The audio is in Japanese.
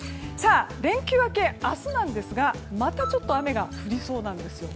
連休明け、明日なんですがまた雨が降りそうなんです。